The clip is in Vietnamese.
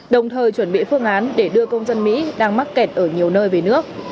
đồng thời chuẩn bị phương án để đưa công dân mỹ đang mắc kẹt ở nhiều nơi về nước